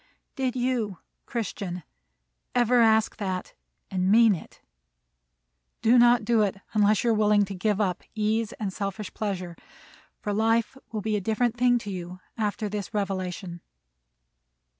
Did you, Christian, ever ask that and mean it? Do not do it unless you are willing to give up ease and selfish pleasure; for life will be a different thing to you after this revelation.